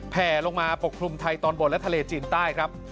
แผลลงมาปกคลุมไทยตอนบนและทะเลจีนใต้ครับ